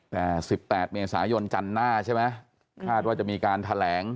แต่๑๘เมษายนจันทร์หน้าใช่ไหมคาดว่าจะมีการแถลง